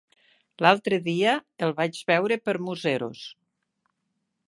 L'altre dia el vaig veure per Museros.